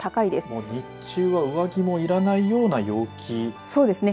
もう日中は上着もいらないような陽気そうですね。